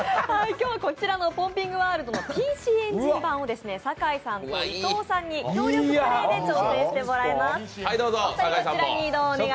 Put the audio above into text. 今日はこちらの「ポンピングワールド」のＰＣエンジン版を酒井さん、伊藤さんに協力プレーで挑戦してもらいます。